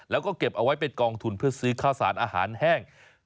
แล้วก็เก็บเอาไว้เป็นกองทุนเพื่อซื้อข้าวสารอาหารแห้ง